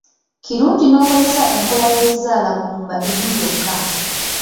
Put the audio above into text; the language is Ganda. Kirungi n'okozesa enkola y'ekizaalaggumba emu yokka.